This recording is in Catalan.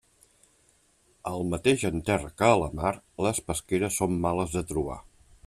El mateix en terra que a la mar, les pesqueres són males de trobar.